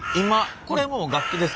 これもう楽器ですか？